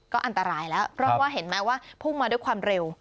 ก็อันตรายแล้วเพราะว่าเห็นไหมว่าพุ่งมาด้วยความเร็ว